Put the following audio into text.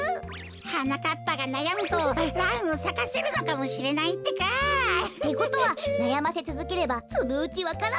はなかっぱがなやむとランをさかせるのかもしれないってか！ってことはなやませつづければそのうちわか蘭も。